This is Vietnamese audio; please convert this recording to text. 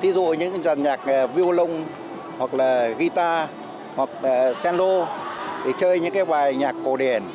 thí dụ những nhạc viêu lông hoặc là guitar hoặc là cello thì chơi những bài nhạc cổ điển